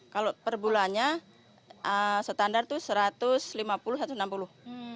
kalau perbulannya standar itu rp satu ratus lima puluh satu ratus enam puluh